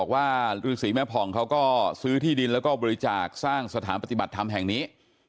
ว่าฤษีแม่ผ่องเขาก็ซื้อที่ดินแล้วก็บริจาคสร้างสถานปฏิบัติธรรมแห่งนี้